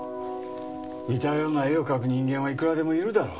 似たような絵を描く人間はいくらでもいるだろう。